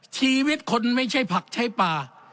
ชีวิตคนไม่ใช่ผักใช้ปลา